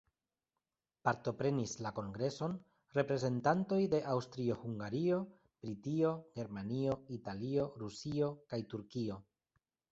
Partoprenis la kongreson reprezentantoj de Aŭstrio-Hungario, Britio, Germanio, Italio, Rusio kaj Turkio.